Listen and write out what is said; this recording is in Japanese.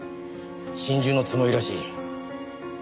心中のつもりらしい。